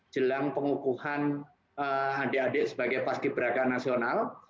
jelang pengukuhan adik adik sebagai paski beraka nasional